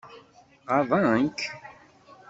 Ɣaḍent-k?